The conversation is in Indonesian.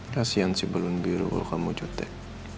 kasian si balun biru kalau kamu jutek